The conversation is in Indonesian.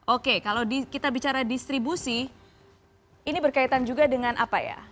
oke kalau kita bicara distribusi ini berkaitan juga dengan apa ya